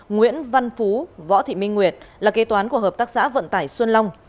nguyễn văn phú võ thị minh nguyệt là kế toán của hợp tác xã vận tải xuân long